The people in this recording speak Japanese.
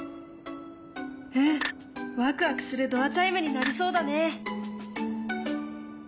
うんワクワクするドアチャイムになりそうだね。